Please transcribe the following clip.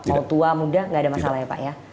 kalau tua muda tidak ada masalah ya pak ya